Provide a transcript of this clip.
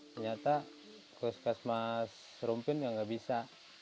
ternyata kekas kes mas rumpin ya nggak bisa